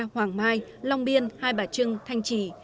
hoàng mai long biên hai bà trưng thanh trì